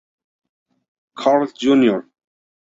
Carl Jr.